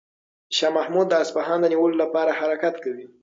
شاه محمود د اصفهان د نیولو لپاره حرکت کوي.